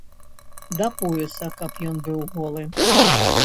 Да пояса каб ён быў голы!